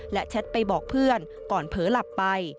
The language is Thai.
และแชทไปบอกเพื่อนก่อนเผลอหลับไป